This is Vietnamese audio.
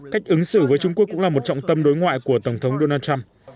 cách ứng xử với trung quốc cũng là một trọng tâm đối ngoại của tổng thống donald trump